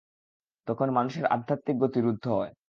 তখন মানুষের আধ্যাত্মিক গতি রুদ্ধ হয়।